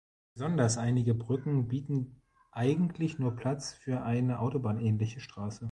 Besonders einige Brücken bieten eigentlich nur Platz für eine autobahnähnliche Straße.